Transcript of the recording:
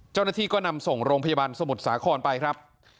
เจ้าหน้าที่ก็นำส่งโรงพยาบาลสมุทรสาครไปครับ